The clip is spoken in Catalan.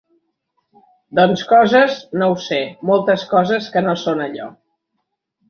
Doncs coses, no ho sé, moltes coses que no són allò.